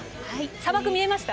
砂漠見えました？